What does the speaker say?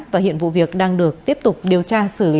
và hiện vụ việc đang được tiếp tục điều tra xử lý